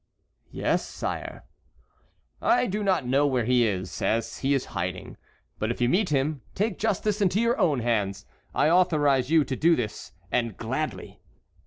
"Yes, sire." "I do not know where he is, as he is hiding; but if you meet him, take justice into your own hands. I authorize you to do this and gladly."